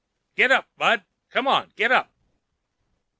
"Get up, bud. Come on, get up!"